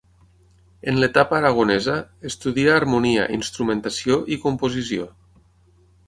En l'etapa aragonesa, estudia harmonia, instrumentació i composició.